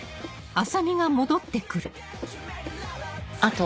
あと。